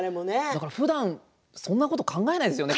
ふだん、そんなこと考えないですよね。